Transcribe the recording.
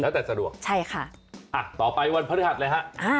แล้วแต่สะดวกใช่ค่ะอ่ะต่อไปวันพระธรรมดีเลยฮะอ่า